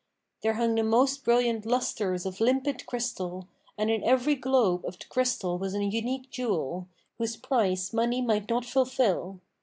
There hung the most brilliant lustres[FN#508] of limpid crystal, and in every globe[FN#509] of the crystal was an unique jewel, whose price money might not fulfil.